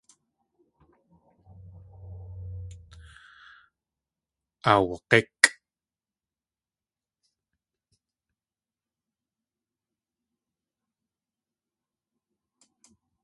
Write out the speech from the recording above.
Aawag̲íkʼ.